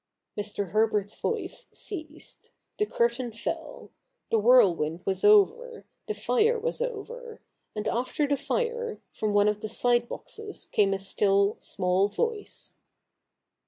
Mr. Herbert's voice ceased. The curtain fell. The whirlwind was over ; the fire was over : and after the fire, from one of the side boxes came a still small voice.